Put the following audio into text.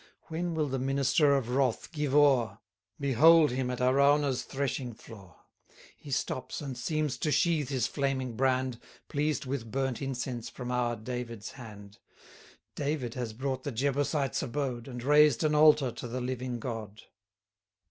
When will the minister of wrath give o'er? Behold him at Araunah's threshing floor: He stops, and seems to sheathe his flaming brand, Pleased with burnt incense from our David's hand. David has bought the Jebusite's abode, 180 And raised an altar to the living God.